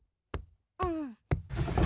うん。